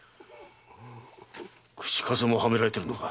口かせもはめられてるのか。